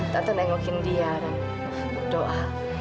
tante nengokin dia dan berdoa